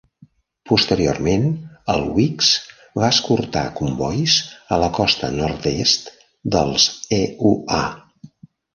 Posteriorment, el "Wickes" va escortar combois a la costa nord-est dels EUA.